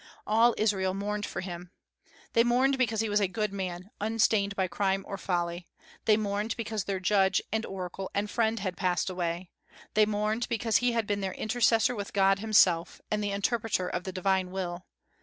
All Israel mourned for him. They mourned because he was a good man, unstained by crime or folly; they mourned because their judge and oracle and friend had passed away; they mourned because he had been their intercessor with God himself, and the interpreter of the divine will.